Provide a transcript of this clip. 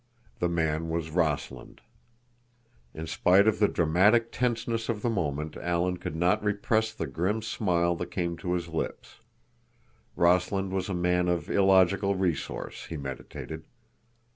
The man was Rossland. In spite of the dramatic tenseness of the moment Alan could not repress the grim smile that came to his lips. Rossland was a man of illogical resource, he meditated.